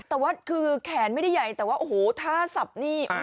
แต่ว่าคือแขนไม่ได้ใหญ่แต่ว่าโอ้โหท่าสับนี่